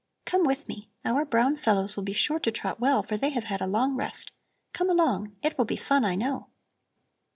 Come with me! Our brown fellows will be sure to trot well, for they have had a long rest. Come along! It will be fun, I know."